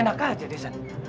enak aja desan